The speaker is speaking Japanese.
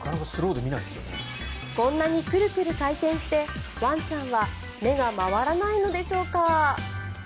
こんなにクルクル回転してワンちゃんは目が回らないのでしょうか。